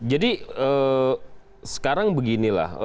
jadi sekarang beginilah